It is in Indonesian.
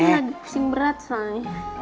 ini lagi pusing berat shay